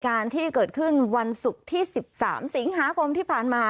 การที่เกิดขึ้นวันศุกร์ที่๑๓สิงหาคมที่ผ่านมา